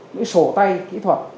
những cái sổ tay kỹ thuật